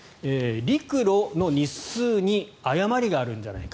陸路の日数に誤りがあるんじゃないか。